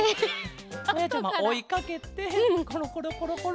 まやちゃまおいかけてコロコロコロコロ。